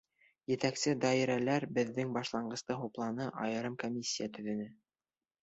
Етәксе даирәләр беҙҙең башланғысты хупланы, айырым комиссия төҙөнө.